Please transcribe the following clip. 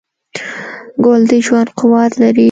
ګل د ژوند قوت لري.